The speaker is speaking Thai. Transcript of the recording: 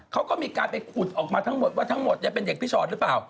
เขาก็มีการไปขุดออกมาทั้งหมดว่าทั้งหมดเป็นเด็กพี่ชอตหรือเปล่า